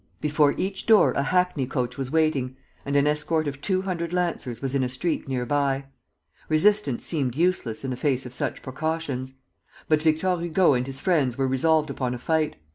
Before each door a hackney coach was waiting, and an escort of two hundred Lancers was in a street near by. Resistance seemed useless in the face of such precautions, but Victor Hugo and his friends were resolved upon a fight.